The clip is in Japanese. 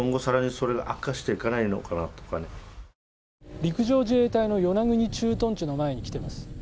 陸上自衛隊の与那国駐屯地の前に来ています。